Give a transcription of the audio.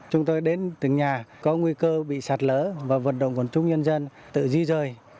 chúng tôi đến từng nhà có nguy cơ bị sạt lỡ và vận động quần chúng nhân dân tự di rời